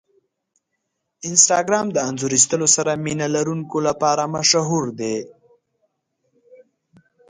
انسټاګرام د انځور ایستلو سره مینه لرونکو لپاره مشهور دی.